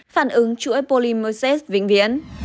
phản ứng chuỗi polimersis vĩnh viễn